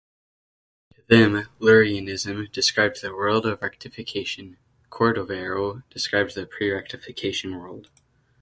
Where to them, Lurianism described the "World" of Rectification, Cordovero described the pre-Rectification World.